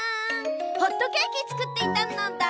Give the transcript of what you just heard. ホットケーキつくっていたのだ。